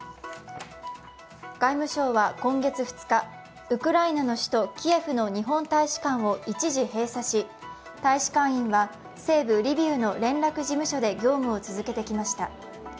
外務省は今月２日、ウクライナの首都キエフの日本大使館を一時閉鎖し、大使館員は西部リビウの連絡事務所で業務を続けてきました。